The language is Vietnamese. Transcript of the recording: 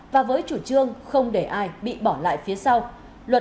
và với chủ trương không để ai bị bỏ lại phía sau